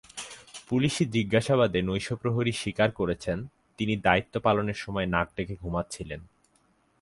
পুলিশি জিজ্ঞাসাবাদে নৈশপ্রহরী স্বীকার করেছেন, তিনি দায়িত্ব পালনের সময় নাক ডেকে ঘুমাচ্ছিলেন।